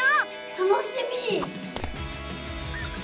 楽しみ！